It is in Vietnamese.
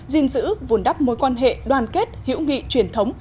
gìn giữ vùn đắp mối quan hệ đoàn kết hữu nghị truyền thống